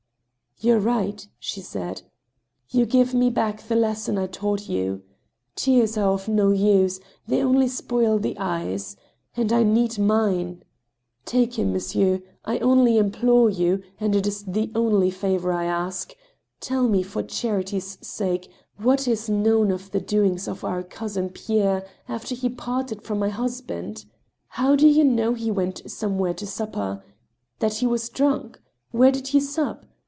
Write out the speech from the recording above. *• You are right," she said, " you give me back the lesson I taught you. Tears are of no use — ^they only spoil the eyes ; and I need mine. Take him, monsieur ; only I implore you, and it is the only favor I ask, tell me, for charity's sake, what is known of the doings of our Cousin Pierre after he parted from my husband. How do you know he went somewhere to supper? — that he was drunk? Where did he sup